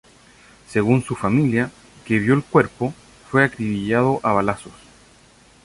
Según su familia, que vio el cuerpo, fue acribillado a balazos.